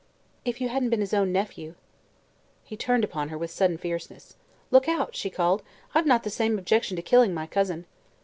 "If you hadn't been his own nephew." He turned upon her with sudden fierceness. "Look out!" she called. "I've not the same objection to killing my cousin."